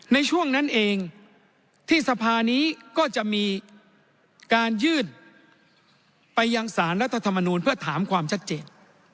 ในช่วงนั้นเองที่สภานี้ก็จะมีการยื่นไปยังสารรัฐธรรมนูลเพื่อถามความชัดเจน